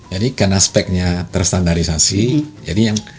jadi karena speknya terstandarisasi jadi yang